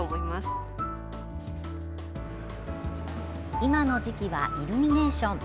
今の時期はイルミネーション。